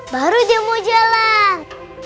baru dia mau jalan